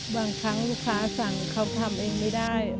บางครั้งลูกค้าสั่งเขาทำเองไม่ได้